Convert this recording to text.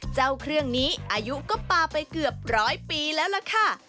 เจ้าเครื่องนี้อายุก็ปลาไปเกือบร้อยปีแล้วล่ะค่ะ